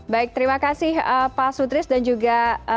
baik terima kasih pak sutris dan juga